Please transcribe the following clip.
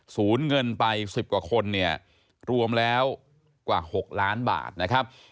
ศูนย์เงินไป๑๐กว่าคนเนี่ยรวมแล้วกว่า๖ล้านบาทนะครับ